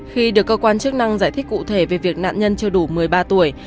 khi được cơ quan chức năng giải thích cụ thể về việc nạn nhân chưa đủ một mươi ba tuổi